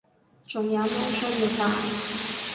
仲有咩需要戴